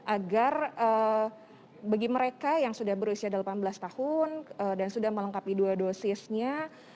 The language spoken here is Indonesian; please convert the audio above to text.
agar bagi mereka yang sudah berusia delapan belas tahun dan sudah melengkapi dua dosisnya